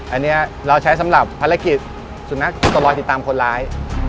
อันนี้เราใช้สำหรับภารกิจสุนัขกระบอยติดตามคนร้าย